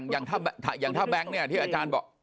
อย่างถ้าแบงค์เนี่ยที่อาจารย์บอก